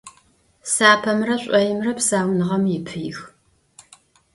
Sapemre ş'oimre psaunığem yipıix.